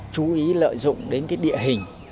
chú ý lợi dụng đến cái địa hình